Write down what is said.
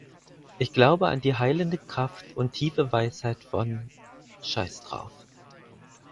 Ich glaube an die heilende Kraft und tiefe Weisheit von "Scheiss drauf".